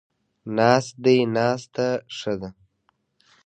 ناست دی، ناسته ښه ده